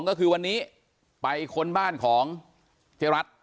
ก็คือวันนี้ไปค้นบ้านของเจ๊รัฐ